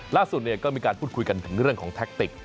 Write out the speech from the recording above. ล่าสุดก็มีการพูดคุยกันถึงเรื่องของแท็กติก